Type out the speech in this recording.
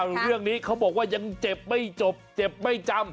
เรื่องนี้เขาบอกว่ายังเจ็บไม่จบเจ็บไม่จำ